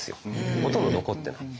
ほとんど残ってない。